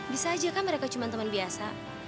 bisa aja kan mereka cuma teman biasa